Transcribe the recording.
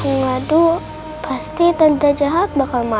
yang terpertanya kasih makasih